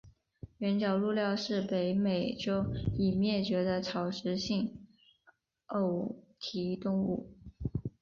原角鹿科是北美洲已灭绝的草食性偶蹄动物。